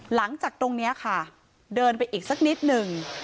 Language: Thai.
หลังจากตรงนี้ค่ะเดินไปอีกสักนิดหนึ่ง